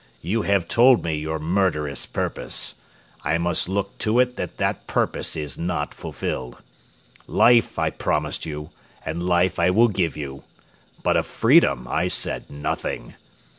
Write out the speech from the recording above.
You have told me your murderous purpose. I must look to it that that purpose is not fulfilled. Life I promised you, and life I will give you. But of freedom I said nothing.